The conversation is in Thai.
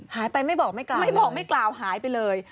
ไม่บอกไม่กล่าวไม่บอกไม่กล่าวหายไปเลย